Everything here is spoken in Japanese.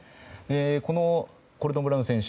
このコルトン・ブラウン選手